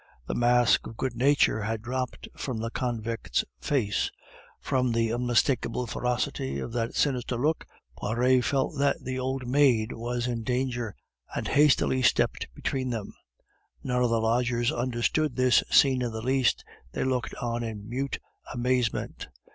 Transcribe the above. The mask of good nature had dropped from the convict's face; from the unmistakable ferocity of that sinister look, Poiret felt that the old maid was in danger, and hastily stepped between them. None of the lodgers understood this scene in the least, they looked on in mute amazement.